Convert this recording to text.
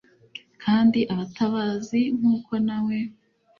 kandi abatabazi, nk'uko nawe